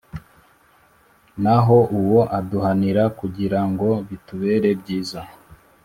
naho uwo aduhanira kugira ngo bitubere byiza,